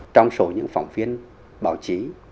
trong số những phỏng viên báo chí